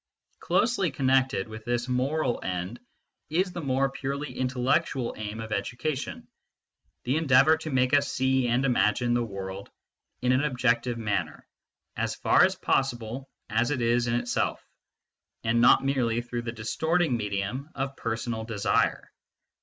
Closely connected with this moral end is the more purely intellectual aim of education, the endeavour to make us see and imagine the world in an objective manner, as far as possible as it is in itself, and not merely through the distorting medium of personal desire.